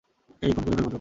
এই, খুন করে ফেলব তোকে।